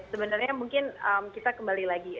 sebenarnya mungkin kita kembali lagi